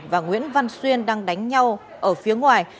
và nguyễn văn xuyên đang đánh nhau ở phía ngoài